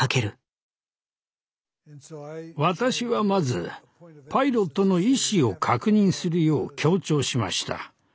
私はまずパイロットの意思を確認するよう強調しました。